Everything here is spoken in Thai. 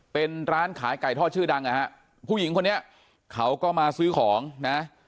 เป็นร้านขายไก่ทอดชื่อดังนะฮะผู้หญิงคนนี้เขาก็มาซื้อของนะ